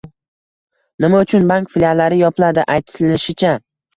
Nima uchun bank filiallari yopiladi? Aytilishicha